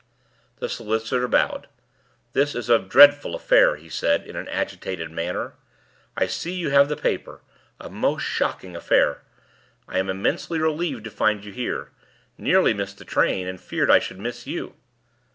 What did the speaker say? The solicitor bowed. "This is a dreadful affair," he said, in an agitated manner. "I see you have the paper. A most shocking affair. I am immensely relieved to find you here. Nearly missed the train, and feared I should miss you."